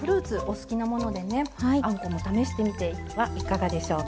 お好きなものでねあんこも試してみてはいかがでしょうか。